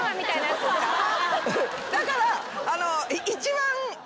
だから。